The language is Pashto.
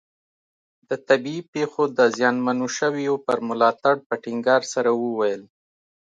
د طبیعي پېښو د زیانمنو شویو پر ملاتړ په ټینګار سره وویل.